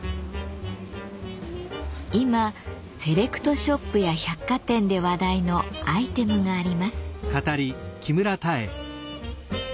今セレクトショップや百貨店で話題のアイテムがあります。